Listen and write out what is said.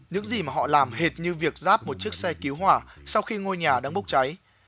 những gì mà họ làm hệt như việc ráp một chiếc xe cứu hỏa sau khi ngôi nhà đang bốc cháy